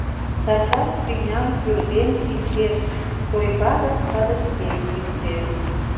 Тачат тӱням пӱрден чинчеш, Той пагыт садышкем шинче.